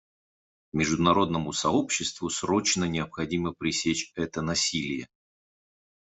Международному сообществу срочно необходимо пресечь это насилие.